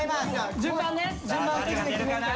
順番ね順番くじで決めるから。